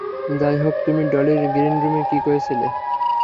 যাইহোক, তুমি ডলির গ্রিনরুমে কী করছিলে?